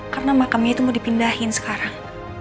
karena makamnya itu mau dipindahin sekarang